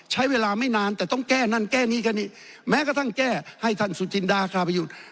ใช้เวลาไม่นานแต่ต้องแก้นั่นแก้นี่แค่นี้แม้กระทั่งแก้ให้ท่านสุจินดาคาประยุทธ์